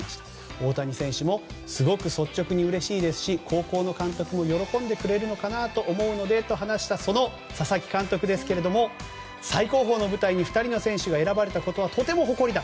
大谷選手もすごく率直にうれしいですし高校の監督も喜んでくれるのかなと思うのでと話した、その佐々木監督ですが最高峰の舞台に２人の選手が選ばれたことはとても誇りだ。